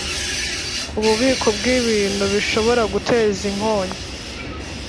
Ububiko bw’ibintu bishobora guteza inkongi